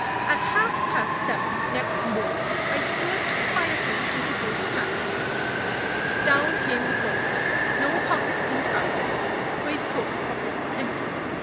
At half past seven next morning, I slipped quietly into Boots's pantry. Down came the clothes. No pockets in trousers. Waistcoat pockets empty.